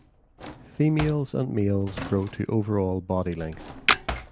Females and males grow to overall body length.